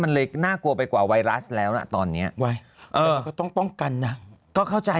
มันน่ากลัวไปกว่าไวรัสแล้วนะตอนนี้ก็ต้องกันนะก็เข้าใจ